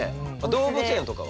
動物園とかは？